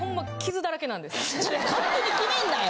勝手に決めんなよ！